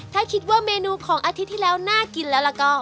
ถ้าคิดว่าเมนูของอาทิตย์ที่แล้วน่ากินแล้วก็